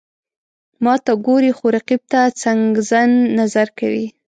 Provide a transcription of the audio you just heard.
ماته ګوري، خو رقیب ته څنګزن نظر کوي.